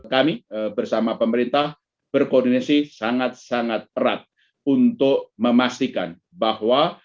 kami bersama pemerintah berkoordinasi sangat sangat erat untuk memastikan bahwa